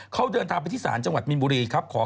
เขาเดินทางไปที่ศาลจังหวัดมินบุรีครับ